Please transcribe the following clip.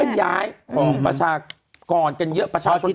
ส่วนใหญ่ของประชากรกันเยอะประชาชนกันเยอะ